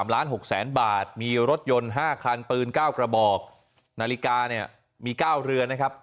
๖๐๐๐บาทมีรถยนต์๕คันปืน๙กระบอกนาฬิกาเนี่ยมี๙เรือนนะครับ